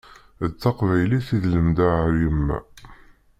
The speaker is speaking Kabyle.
D taqbaylit i lemdeɣ ar yemma.